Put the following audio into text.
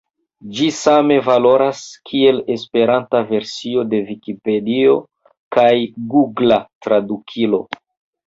Ĝi same valoras, kiel Esperanta versio de Vikipedio kaj Gugla Tradukilo.